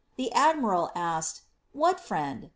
The admiral asked, ^^ What friend